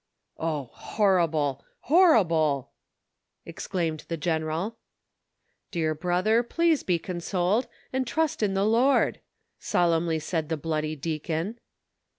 " Oh, horrible ! horrible !!" exclaimed the general, " Dear brother, please be consoled, and trust in the Lord," solemnly said the bloody deacon.